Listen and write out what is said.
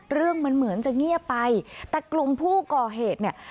เรื่องมันเหมือนจะเงียบไปแต่กลุ่มผู้ก่อเหตุเนี่ย